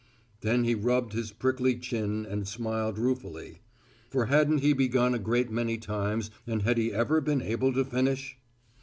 Then he rubbed his prickly chin and smiled ruefully. For hadn't he begun a great many times and had he ever been able to finish?